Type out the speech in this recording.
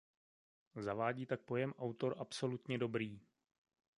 Zavádí tak pojem autor absolutně dobrý.